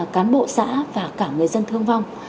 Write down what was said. cán bộ xã và cả người dân thương vong